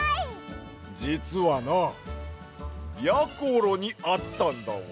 じつはなやころにあったんだわ。